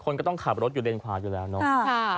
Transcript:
คนก็ต้องขับรถอยู่เลนขวาอยู่แล้วเนาะ